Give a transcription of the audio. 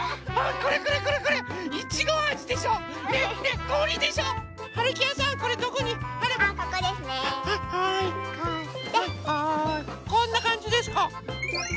こんなかんじですか？